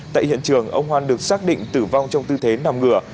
tại hiện trường ông hoan được xác định tử vong trong tư thế nằm ngửa